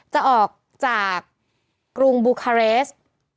จะออกจากกรุงบูคาเรส